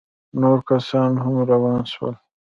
نور کسان هم روان سول.